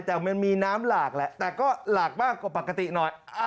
แต่มันมีน้ำหลากแหละแต่ก็หลากมากกว่าปกติหน่อย